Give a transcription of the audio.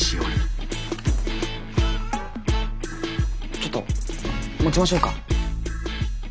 ちょっと持ちましょうか？